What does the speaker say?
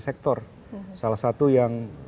sektor salah satu yang